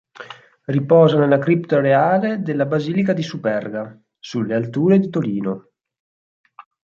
Riposa nella Cripta Reale della Basilica di Superga, sulle alture di Torino.